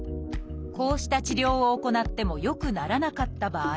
こうした治療を行っても良くならなかった場合